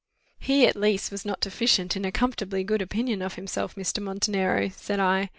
"He at least was not deficient in a comfortably good opinion of himself, Mr. Montenero," said I.